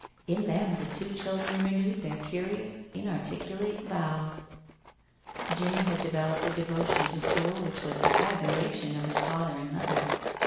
In them the two children renewed their curious inarticulate vows. Jimmie had developed a devotion to school which was the admiration of his father and mother.